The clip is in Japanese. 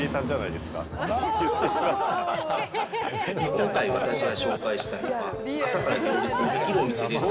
今回、私が紹介したいのは、朝から行列のできるお店です。